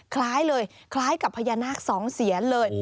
คล้ายเลยคล้ายกับพญานาคสองเสียนเลย